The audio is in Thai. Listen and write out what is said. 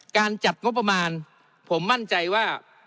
การจัดงบประมาณผมมั่นใจว่า